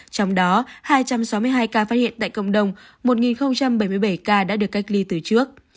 trong đó hai trăm sáu mươi hai ca phát hiện tại cộng đồng một bảy mươi bảy ca đã được cách ly từ trước